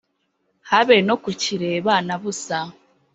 habe no kukireba na busa